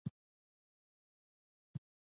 پلورونکی باید د محصول ټول معلومات ولري.